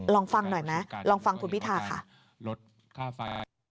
ลองฟังหน่อยนะลองฟังคุณพิธาค่ะ